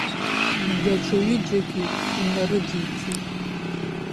Даҽа ҩыџьагьы инарыдиҵеит.